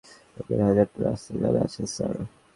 ওদের হাজারটা রাস্তা জানা আছে, স্যার।